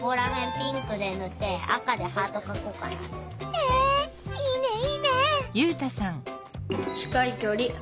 へえいいねいいね！